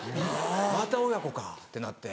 また親子かってなって。